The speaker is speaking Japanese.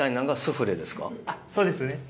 あっそうですね。